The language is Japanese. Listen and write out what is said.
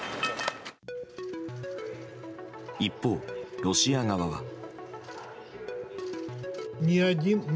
一方、ロシア側は。